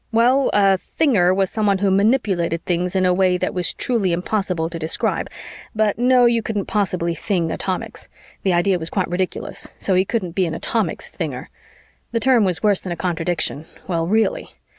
well, a thinger was someone who manipulated things in a way that was truly impossible to describe, but no, you couldn't possibly thing atomics; the idea was quite ridiculous, so he couldn't be an atomics thinger; the term was worse than a contradiction, well, really!